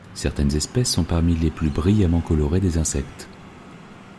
Certaines espèces sont parmi les plus brillamment colorées des Insectes.